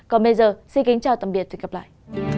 còn bây giờ xin kính chào tạm biệt và hẹn gặp lại